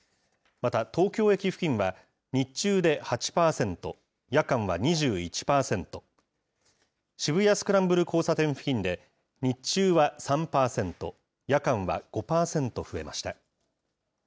また東京駅付近は、日中で８％、夜間は２１％、渋谷スクランブル交差点付近で、日中は３％、夜間は５％増えました。